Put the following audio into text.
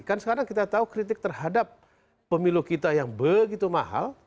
kan sekarang kita tahu kritik terhadap pemilu kita yang begitu mahal